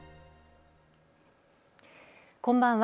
こんばんは。